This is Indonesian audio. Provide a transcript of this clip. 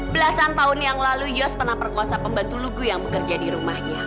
belasan tahun yang lalu yos pernah perkosa pembantu lugu yang bekerja di rumahnya